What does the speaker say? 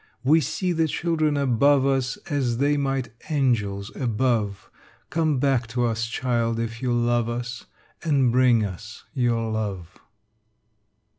We see the children above us As they might angels above: Come back to us, child, if you love us, And bring us your love.